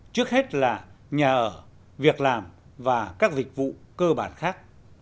trước hết là nhà ở việc làm và các dịch vụ cơ bản khác